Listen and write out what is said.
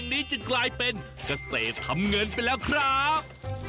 ดีไปแล้วครับ